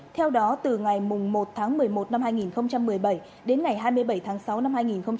theo đó từ ngày một tháng một mươi một năm hai nghìn một mươi bảy đến ngày hai mươi bảy tháng sáu năm hai nghìn một mươi chín